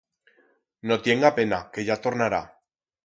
No tienga pena que ya tornará.